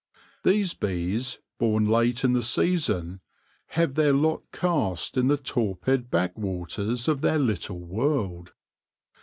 These bees, born late in the season, have their lot cast in the torpid back waters of their little world.